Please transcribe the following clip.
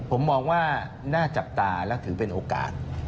ผมมองว่าน่าจับตาและถือเป็นโอกาส